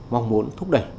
mong muốn thúc đẩy